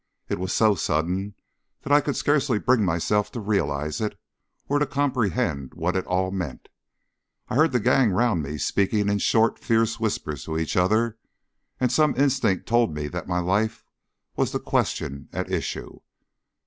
It was so sudden that I could scarce bring myself to realise it, or to comprehend what it all meant. I heard the gang round me speaking in short, fierce whispers to each other, and some instinct told me that my life was the question at issue.